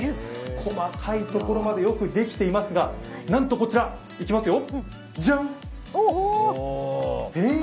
細かいところまでよくできていますが、なんとこちら、ジャン！